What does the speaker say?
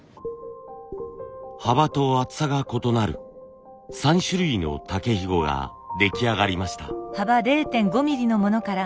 幅と厚さが異なる３種類の竹ひごが出来上がりました。